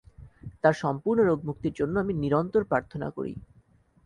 তাঁর সম্পূর্ণ রোগমুক্তির জন্য আমি নিরন্তর প্রার্থনা করি।